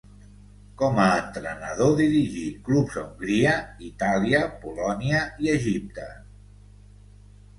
Com a entrenador, dirigí clubs a Hongria, Itàlia, Polònia i Egipte.